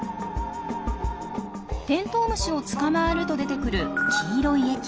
テントウムシを捕まえると出てくる黄色い液。